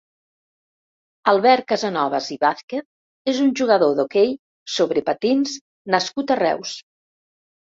Albert Casanovas i Vázquez és un jugador d'hoquei sobre patins nascut a Reus.